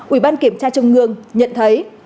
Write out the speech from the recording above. ủy ban kiểm tra trung ương nhận thấy